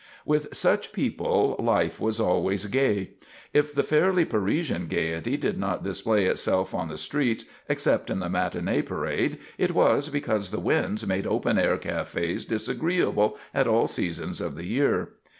With such a people, life was always gay. If the fairly Parisian gaiety did not display itself on the streets, except in the matinee parade, it was because the winds made open air cafes disagreeable at all seasons of the year.